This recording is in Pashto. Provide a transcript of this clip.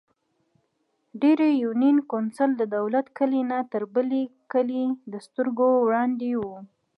ډېرۍ يونېن کونسل ددولت کلي نه تر د بڼ کلي دسترګو وړاندې وو ـ